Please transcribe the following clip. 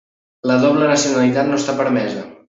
La doble nacionalitat no està permesa.